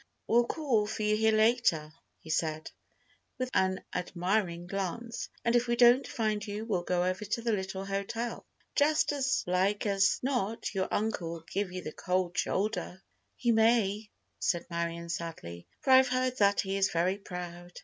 "We'll call for you here later," he said; with an admiring glance, "and if we don't find you we'll go over to the little hotel. Just as like as not your uncle will give you the cold shoulder." "He may," said Marion, sadly, "for I've heard that he is very proud.